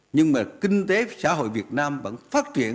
nhưng mà kinh tế xã hội việt nam vẫn phát triển